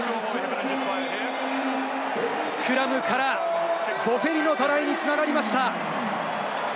スクラムからボフェリのトライに繋がりました。